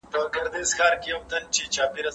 چي یې نه غواړې هغه به در پیښیږي.